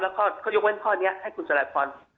แล้วยกเว้นข้อนี้ให้คุณสัยพร